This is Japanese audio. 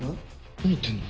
何やってんの。